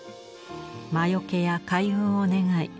魔よけや開運を願い